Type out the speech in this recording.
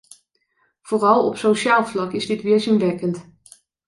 Vooral op sociaal vlak is dit weerzinwekkend.